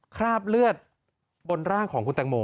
คราบเลือดบนร่างของคุณแตงโม